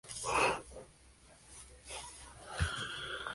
En la decisión pesó la influyente opinión de la primera actriz, Matilde Moreno.